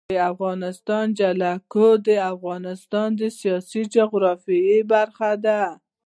د افغانستان جلکو د افغانستان د سیاسي جغرافیه برخه ده.